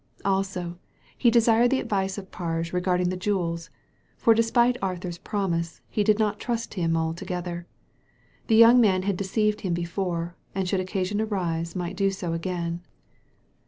Also, he desired the advice of Pai^e regarding the jewels, for despite Arthur's promise, he did not trust him altogether. The young man had deceived him before, and should occasion arise might do so again.